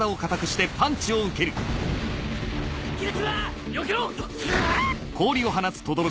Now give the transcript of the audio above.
よけろ！